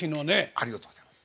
ありがとうございます。